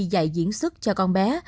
dạy diễn xuất cho con bé